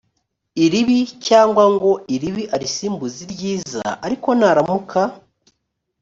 iribi cyangwa ngo iribi arisimbuze iryiza ariko naramuka